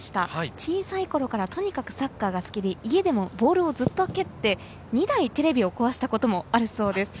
小さい頃からとにかくサッカーが好きで、家でもボールをずっと蹴って、２台テレビを壊したこともあるそうです。